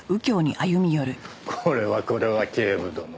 これはこれは警部殿。